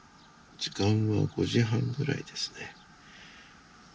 時間は５時半ぐらいですね。